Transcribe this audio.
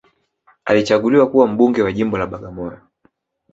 alichaguliwa kuwa mbunge wa jimbo la bagamoyo